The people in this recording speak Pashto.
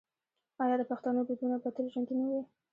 آیا د پښتنو دودونه به تل ژوندي نه وي؟